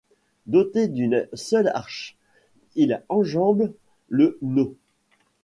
Doté d'une seule arche, il enjambe le Nau.